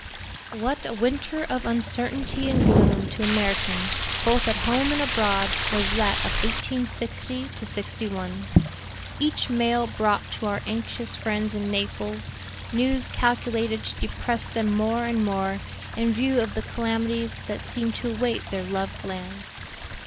'" What a winter of uncertainty and gloom to Americans, both at home and abroad, was that of 1860 '61. Each mail brought to our anxious friends in Naples news calculated to depress them more and more in view of the calamities that seemed to await their loved land.